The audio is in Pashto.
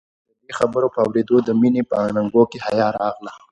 د دې خبرې په اورېدو د مينې په اننګو کې حيا راغله.